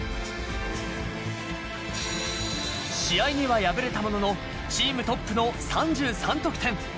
試合には敗れたもののチームトップの３３得点。